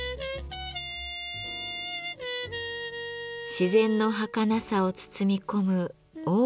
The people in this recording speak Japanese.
自然のはかなさを包み込む大きな力。